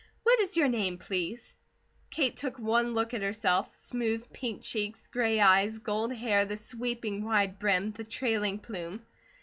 What is your name, please?" Kate took one look at herself smooth pink cheeks, gray eyes, gold hair, the sweeping wide brim, the trailing plume.